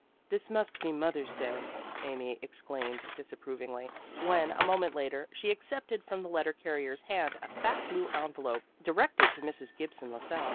"This must be Mother's Day," Amy exclaimed disapprovingly, when, a moment later, she accepted from the letter carrier's hand a fat blue envelope directed to Mrs. Gibson Lassell.